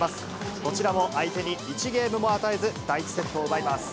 こちらも相手に１ゲームも与えず、第１セットを奪います。